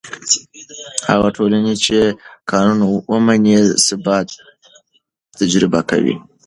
هغه ټولنه چې قانون ومني، ثبات تجربه کوي.